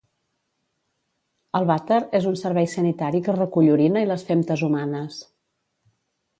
El vàter és un servei sanitari que recull orina i les femtes humanes